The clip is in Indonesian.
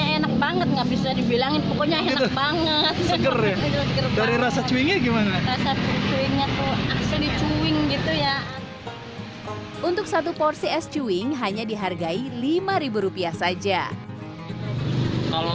enaknya enak banget gak bisa dibilangin pokoknya enak banget